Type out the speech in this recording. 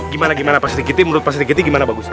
gimana gimana pak rikiti menurut pak rikiti gimana bagusnya